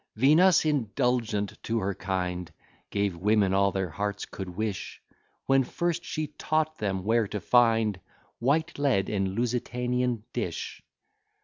Venus, indulgent to her kind, Gave women all their hearts could wish, When first she taught them where to find White lead, and Lusitanian dish.